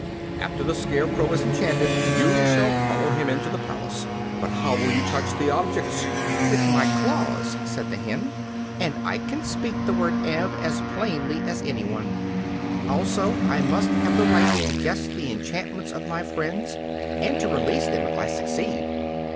After the Scarecrow is enchanted you shall follow him into the palace. But how will you touch the objects?" "With my claws," said the hen; "and I can speak the word 'Ev' as plainly as anyone. Also I must have the right to guess the enchantments of my friends, and to release them if I succeed."